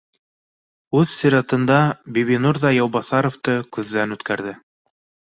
Үҙ сиратында Бибинур ҙа Яубаҫаровты күҙҙән үткәрҙе